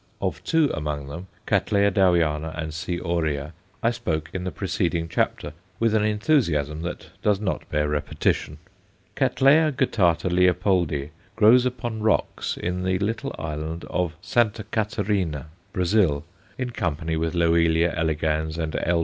Of two among them, C. Dowiana and C. aurea, I spoke in the preceding chapter with an enthusiasm that does not bear repetition. Cattleya guttata Leopoldi grows upon rocks in the little island of Sta. Catarina, Brazil, in company with Loelia elegans and _L.